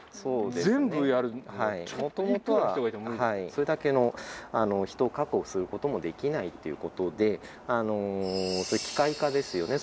それだけの人を確保することもできないということで機械化ですよね